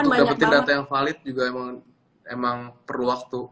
untuk dapetin data yang valid juga emang perlu waktu